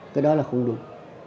cái đó là không đúng